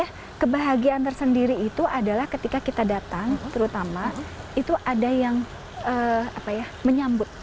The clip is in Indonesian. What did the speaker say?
nah kebahagiaan tersendiri itu adalah ketika kita datang terutama itu ada yang menyambut